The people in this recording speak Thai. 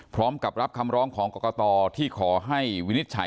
พร้อมกับรับคำร้องของกรกตที่ขอให้วินิจฉัย